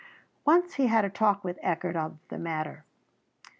Once he had a talk with Eckardt of the matter.